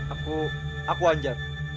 aku aku anjar